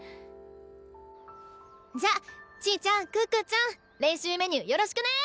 じゃちぃちゃん可可ちゃん練習メニューよろしくね！